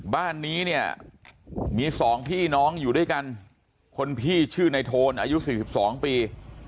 บ้านนี้เนี่ยมี๒พี่น้องอยู่ด้วยกันคนพี่ชื่อในโทนอายุ๔๒ปี